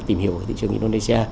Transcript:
tìm hiểu ở thị trường indonesia